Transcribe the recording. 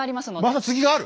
まだ続きがある？